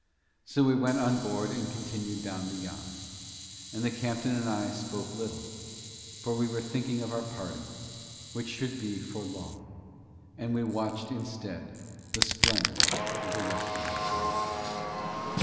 So we went on board and continued down the Yann. And the captain and I spoke little, for we were thinking of our parting, which should be for long, and we watched instead the splendour of the westerning sun.